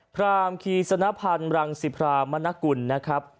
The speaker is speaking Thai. พรามคีสนพันธ์รังสิพรามนกุลนะครับ